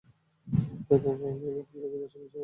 এরপর ভবন ভেঙে ফেলতে দুই মাসের সময় দিয়ে নোটিশও দেওয়া হয়।